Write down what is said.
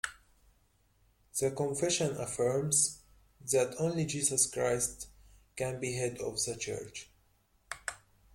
The confession affirms that only Jesus Christ can be head of the church.